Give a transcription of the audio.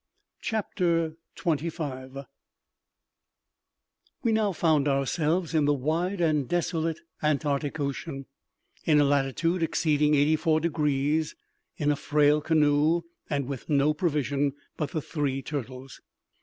CHAPTER 25 We now found ourselves in the wide and desolate Antarctic Ocean, in a latitude exceeding eighty four degrees, in a frail canoe, and with no provision but the three turtles.